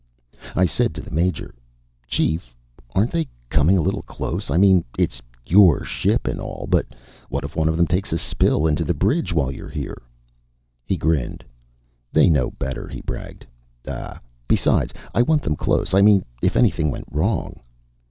I said to the Major: "Chief, aren't they coming a little close? I mean it's your ship and all, but what if one of them takes a spill into the bridge while you're here?" He grinned. "They know better," he bragged. "Ah, besides, I want them close. I mean if anything went wrong."